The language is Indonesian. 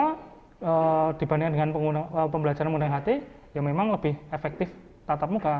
karena dibandingkan dengan pembelajaran mengenai ht ya memang lebih efektif tatap muka